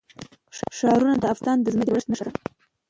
ښارونه د افغانستان د ځمکې د جوړښت نښه ده.